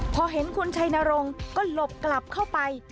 พอเห็นคุณชัยนรงค์ก็หลบกลับเข้าไป